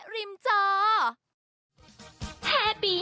ฤทธิ์